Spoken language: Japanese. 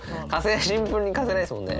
シンプルに貸せないですもんね。